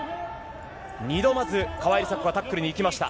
２度まず川井梨紗子がタックルにいきました。